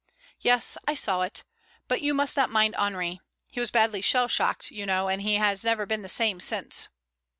"Yes, I saw it. But you must not mind Henri. He was badly shell shocked, you know, and he has never been the same since."